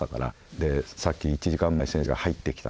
でさっき１時間前先生が入ってきた。